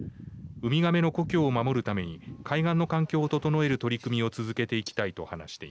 ウミガメの故郷を守るために海岸の環境を整える取り組みを続けていきたい